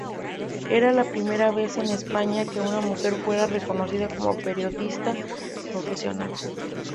Era la primera vez en España que una mujer fuera reconocida como periodista profesional.